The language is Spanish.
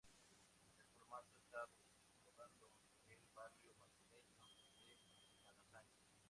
El formato está rodado en el barrio madrileño de Malasaña.